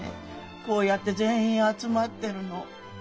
こうやって全員集まってるの。